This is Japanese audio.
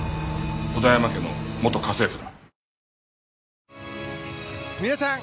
小田山家の元家政婦だ。